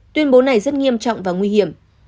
tuyên bố này rất nghiêm trọng và nguy hiểm